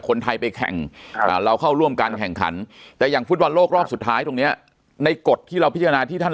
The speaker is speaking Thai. คนไทยไปแข่งเราเข้าร่วมการแข่งขันแต่อย่างฟุตบอลโลกรอบสุดท้ายตรงนี้ในกฎที่เราพิจารณาที่ท่าน